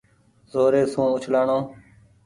زوري سون اُڇلآڻو۔